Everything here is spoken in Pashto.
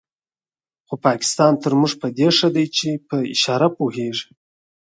خو پاکستان تر موږ په دې ښه دی چې پر اشاره پوهېږي.